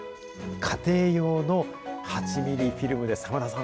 家庭用の８ミリフィルムです。